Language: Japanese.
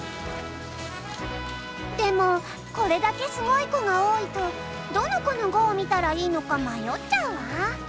でもこれだけすごい子が多いとどの子の碁を見たらいいのか迷っちゃうわ。